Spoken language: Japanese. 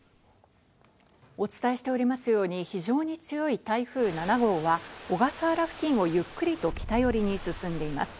お伝えしておりますように、非常に強い台風７号は小笠原付近をゆっくりと北寄りに進んでいます。